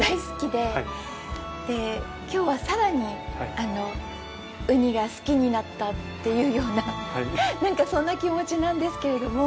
で今日はさらにあのウニが好きになったっていうようななんかそんな気持ちなんですけれども。